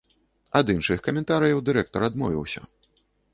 Ад іншых каментарыяў дырэктар адмовіўся.